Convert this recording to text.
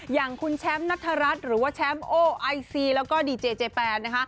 อย่างคุณแชมป์นัทรัฐหรือว่าแชมป์โอไอซีแล้วก็ดีเจเจแปนนะคะ